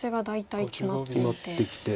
決まってきて。